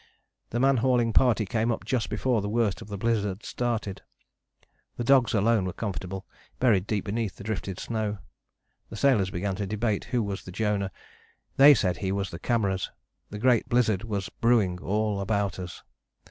The man hauling party came up just before the worst of the blizzard started. The dogs alone were comfortable, buried deep beneath the drifted snow. The sailors began to debate who was the Jonah. They said he was the cameras. The great blizzard was brewing all about us.